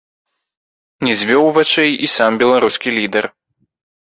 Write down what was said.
Не звёў вачэй і сам беларускі лідэр.